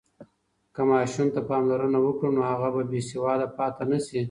که ماشوم ته پاملرنه وکړو، نو هغه به بېسواده پاتې نه سي.